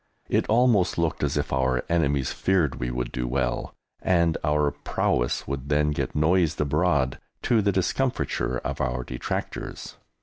It almost looked as if our enemies feared we would do well, and our prowess would then get noised abroad to the discomfiture of our detractors.